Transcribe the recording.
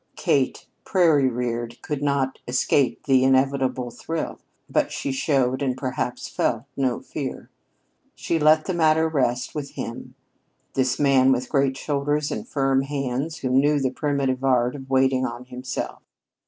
Kate, prairie reared, could not "escape the inevitable thrill," but she showed, and perhaps felt, no fear. She let the matter rest with him this man with great shoulders and firm hands, who knew the primitive art of "waiting on himself."